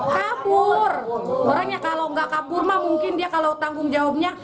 kabur orangnya kalau nggak kabur mah mungkin dia kalau tanggung jawabnya